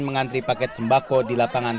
mengantri paket sembako di lapangan